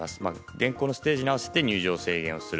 現行のステージに合わせて入場制限をする。